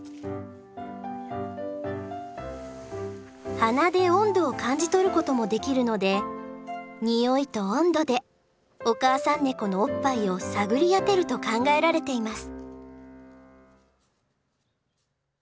鼻で温度を感じ取ることもできるので匂いと温度でお母さんネコのおっぱいを探り当てると考えられています。